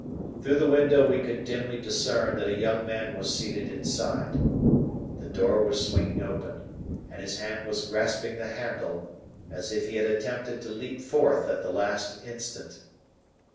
Through the window we could dimly discern that a young man was seated inside. The door was swinging open and his hand was grasping the handle, as if he had attempted to leap forth at the last instant.